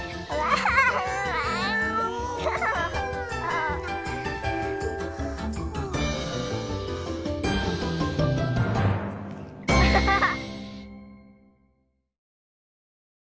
ハハハハ。